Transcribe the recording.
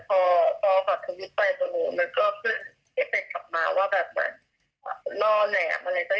เราก็เอาไทม์ไลน์นั้นมาจนรอสัญหาการด้วยมันจะได้เกิดในแง่มุม